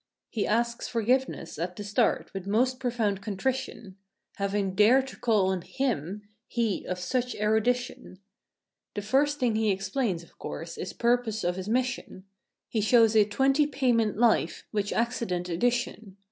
He asks forgiveness, at the start, with most profound contrition. For having dared to call on hirrij he, of such erudi¬ tion. The first thing he explains, of course, is purpose of his mission. He shows a "Twenty Payment Life," which acci¬ dent addition.